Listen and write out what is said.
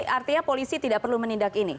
artinya polisi tidak perlu menindak ini